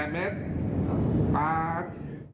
๘เมตรปั๊ก